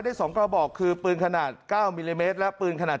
ได้๒กระบอกคือปืนขนาด๙มิลลิเมตรและปืนขนาด